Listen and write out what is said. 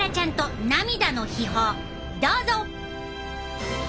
どうぞ！